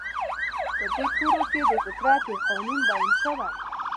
په دې تورو کې د فطرت يو قانون بيان شوی.